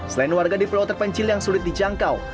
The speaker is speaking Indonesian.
selain warga di pulau terpencil yang sulit dijangkau